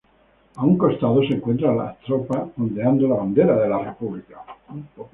A un costado se encuentran las tropas ondeando la bandera de la república.